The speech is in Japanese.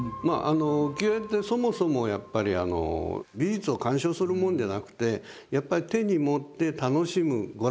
浮世絵ってそもそもやっぱり美術を鑑賞するもんじゃなくてやっぱり手に持って楽しむ娯楽だったんですよね。